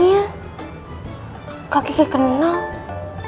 nanti kalo aku aku dia terus banyak di gym caminho